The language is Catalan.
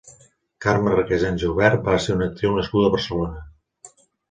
Carme Recasens i Aubert va ser una actriu nascuda a Barcelona.